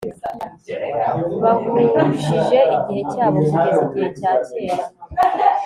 Bahujije igihe cyabo kugeza igihe cyakera